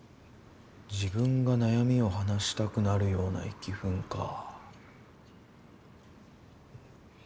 自分が悩みを話したくなるようなイキフンかぁ。